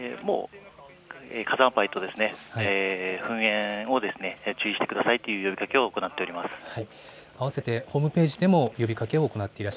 火山灰と噴煙を注意してくださいという呼びかけを行っています。